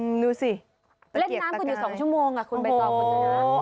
อืมดูสิเล่นน้ำกันอยู่สองชั่วโมงค่ะคุณใบสองคนอยู่ในร้าน